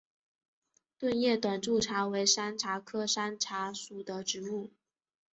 钝叶短柱茶为山茶科山茶属的植物。